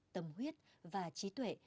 tâm huyết và trí tuệ